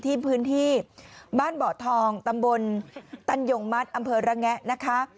ที่พื้นที่บ้านเบาะทองตำบลตันยงมัดอำเภอระแงะนะคะ